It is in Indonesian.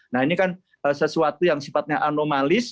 nah ini kan sesuatu yang sifatnya anomalis